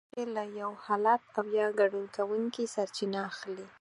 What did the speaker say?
کوم چې له يو حالت او يا ګډون کوونکي سرچينه اخلي.